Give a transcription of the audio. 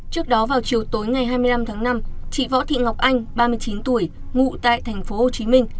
trước đó vào chiều tối ngày hai mươi năm tháng năm chị võ thị ngọc anh ba mươi chín tuổi ngụ tại tp hcm